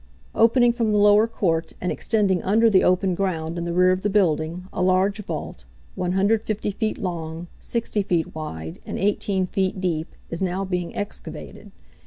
Opening from the lower court, and extending under the open ground in the rear of the building, a large vault, 150 feet long, 60 feet wide, and 18 feet deep, is now being excavated.